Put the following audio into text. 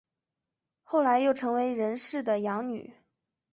后来又成为任氏的养女。